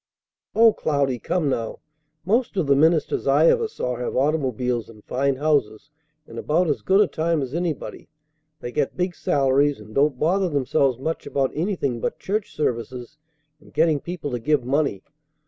"O Cloudy, come now. Most of the ministers I ever saw have automobiles and fine houses, and about as good a time as anybody. They get big salaries, and don't bother themselves much about anything but church services and getting people to give money.